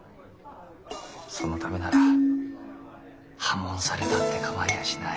そのためなら破門されたって構いやしない。